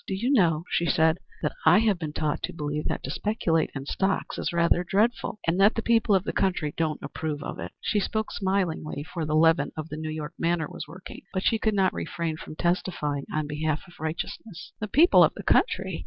"Do you know," she said, "that I have been taught to believe that to speculate in stocks is rather dreadful, and that the people of the country don't approve of it." She spoke smilingly, for the leaven of the New York manner was working, but she could not refrain from testifying on behalf of righteousness. "The people of the country!"